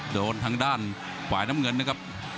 ทางด้านฝ่ายน้ำเงินนะครับ